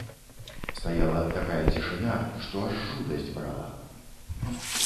Стаяла такая цішыня, што аж жудасць брала.